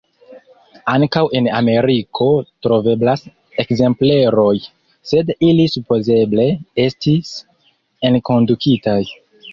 Ankaŭ en Ameriko troveblas ekzempleroj, sed ili supozeble estis enkondukitaj.